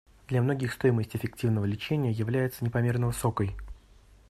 Для многих стоимость эффективного лечения является непомерно высокой.